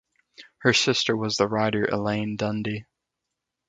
Her sister was the writer Elaine Dundy.